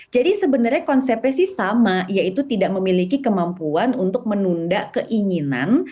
jadi sebenarnya konsepnya sih sama yaitu tidak memiliki kemampuan untuk menunda keinginan